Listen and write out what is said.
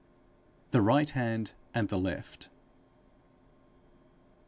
_THE RIGHT HAND AND THE LEFT.